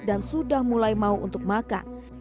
dan sudah mulai mau untuk makan